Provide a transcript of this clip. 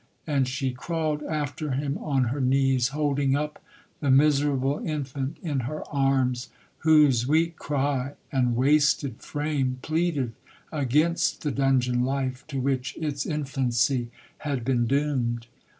And she crawled after him on her knees, holding up the miserable infant in her arms, whose weak cry and wasted frame, pleaded against the dungeon life to which its infancy had been doomed.